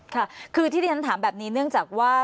ค่ะคือที่ที่ฉันถามแบบนี้เนื่องจากว่า